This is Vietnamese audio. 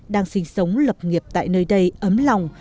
đang sinh sống lập nghiệp tại nơi đây ấm lòng